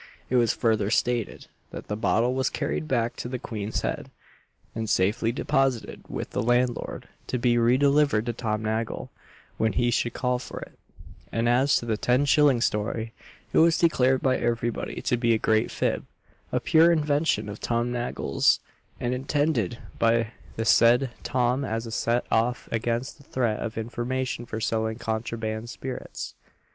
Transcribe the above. It was further stated, that the bottle was carried back to the Queen's Head, and safely deposited with the landlord, to be re delivered to Tom Nagle, when he should call for it; and as to the ten shilling story, it was declared by everybody to be a great fib a pure invention of Tom Nagle's, and intended by the said Tom as a set off against the threat of information for selling contraband spirits.